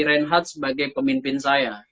reinhardt sebagai pemimpin saya